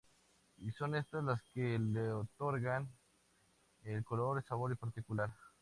Y son estas las que le otorgan el color y sabor particular.